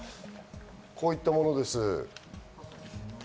こういったものです。